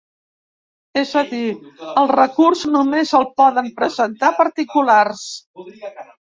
És a dir, el recurs només el poden presentar particulars.